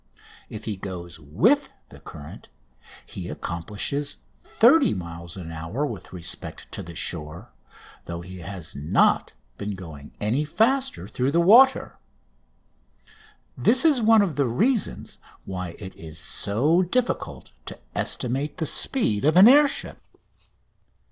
If he goes with the current he accomplishes 30 miles an hour with respect to the shore, though he has not been going any faster through the water. This is one of the reasons why it is so difficult to estimate the speed of an air ship.